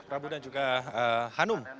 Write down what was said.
prabu dan juga hanum